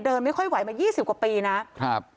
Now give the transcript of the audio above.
เดินไม่ค่อยไหวมายี่สิบกว่าปีนะครับ